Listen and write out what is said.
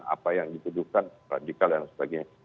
apa yang dituduhkan radikal dan sebagainya